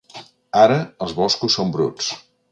Ara els boscos són bruts.